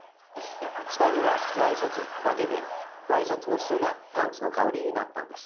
下着はワイシャツだけでワイシャツの裾がパンツの代わりになったんです。